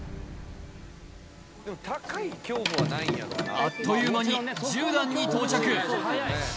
あっという間に１０段に到着